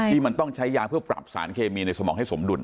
ที่มันต้องใช้ยาเพื่อปรับสารเคมีในสมองให้สมดุล